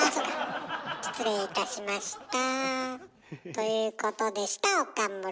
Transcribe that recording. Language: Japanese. ということでした岡村。